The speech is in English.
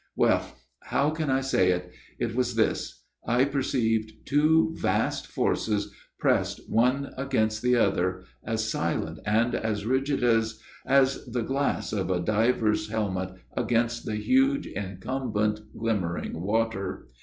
Well how can I say it ? It was this. I perceived two vast forces pressed one against the other, as silent and as rigid as as the glass of a diver's helmet against the huge incumbent glimmering water.